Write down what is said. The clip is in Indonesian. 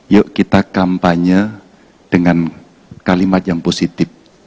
yuk kita kampanye dengan kalimat yang positif